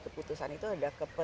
keputusan itu adalah